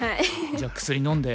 じゃあ薬飲んで。